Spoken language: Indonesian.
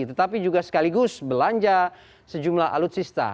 tetapi juga sekaligus belanja sejumlah alutsista